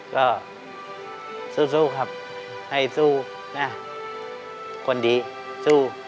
ก็สู้ครับให้สู้นะคนดีสู้